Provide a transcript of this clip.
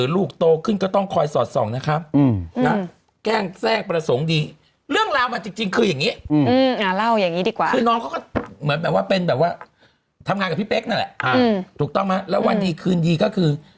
แล้ววันนี้คืนนี้คือ